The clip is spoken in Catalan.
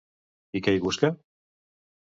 I què hi busca?